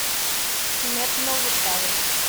Quimet no ho dubtava.